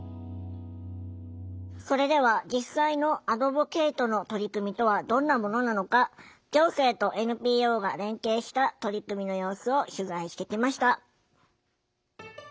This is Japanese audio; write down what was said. それでは実際のアドボケイトの取り組みとはどんなものなのか行政とＮＰＯが連携した取り組みの様子を取材してきました。